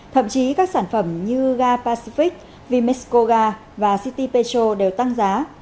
thậm chí các sản phẩm như ga pacific vimesco ga và city petro đều tăng giá